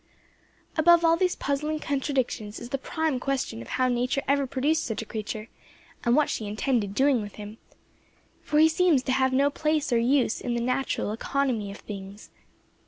Above all these puzzling contradictions is the prime question of how Nature ever produced such a creature, and what she intended doing with him; for he seems to have no place nor use in the natural economy of things.